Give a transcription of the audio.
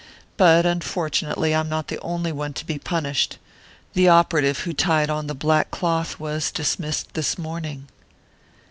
But unfortunately I am not the only one to be punished. The operative who tied on the black cloth was dismissed this morning."